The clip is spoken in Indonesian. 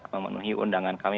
memenuhi undangan kami